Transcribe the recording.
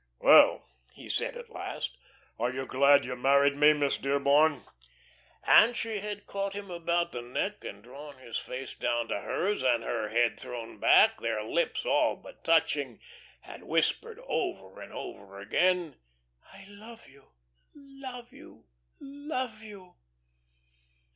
"Well," he had said at last, "are you glad you married me, Miss Dearborn?" And she had caught him about the neck and drawn his face down to hers, and her head thrown back, their lips all but touching, had whispered over and over again: "I love you love you love you!"